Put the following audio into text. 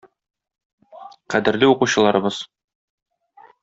Кадерле укучыларыбыз!